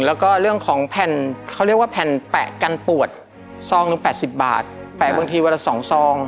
แล้วก็เรื่องของแผ่นเขาเรียกว่าแผ่นแปะกันปวดซองหนึ่ง๘๐บาทแปะบางทีวันละ๒ซอง